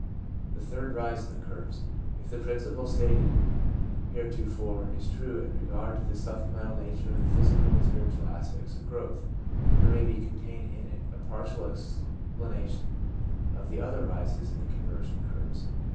The Third Rise in the Curves. — If the principle stated heretofore is true in regard to the supplemental nature of the physical and spiritual aspects of growth, there may be contained in it a partial explanation of the other rises in the conversion curves.